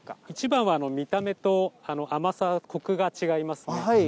一番は見た目と、甘さ、こくが違いますね。